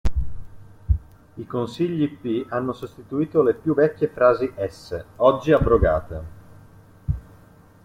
I consigli P hanno sostituito le più vecchie frasi S, oggi abrogate.